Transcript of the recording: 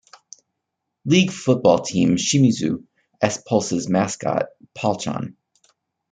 League football team Shimizu S-Pulse's mascot, Palchan.